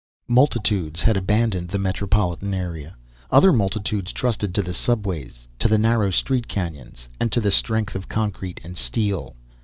Multitudes had abandoned the metropolitan area. Other multitudes trusted to the subways, to the narrow street canyons and to the strength of concrete and steel.